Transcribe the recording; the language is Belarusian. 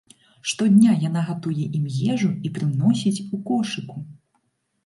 Штодня яна гатуе ім ежу і прыносіць ў кошыку.